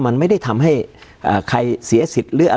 การแสดงความคิดเห็น